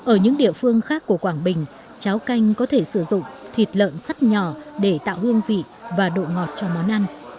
ở những địa phương khác của quảng bình cháo canh có thể sử dụng thịt lợn sắt nhỏ để tạo hương vị và độ ngọt cho món ăn